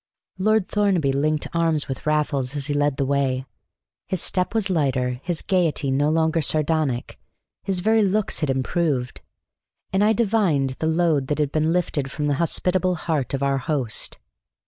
Lord Thornaby linked arms with Raffles as he led the way. His step was lighter, his gayety no longer sardonic; his very looks had improved. And I divined the load that had been lifted from the hospitable heart of our host.